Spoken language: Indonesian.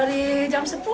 dari jam sepuluh